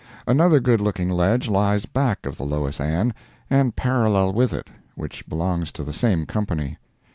Another good looking ledge lies back of the Lois Ann, and parallel with it, which belongs to the same company.